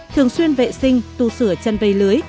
thường xuyên vệ sinh tù sửa chân vây lưới